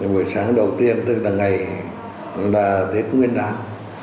buổi sáng đầu tiên tức là ngày là tết nguyên đán